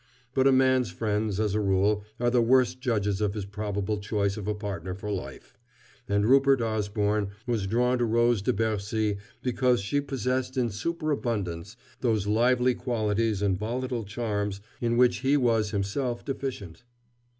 But a man's friends, as a rule, are the worst judges of his probable choice of a partner for life: and Rupert Osborne was drawn to Rose de Bercy because she possessed in superabundance those lively qualities and volatile charms in which he was himself deficient.